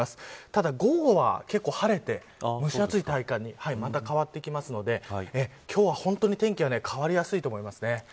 ただ午後は、結構晴れて蒸し暑い体感にまた変わっていきますので今日は本当に天気が変わりやすいと思います。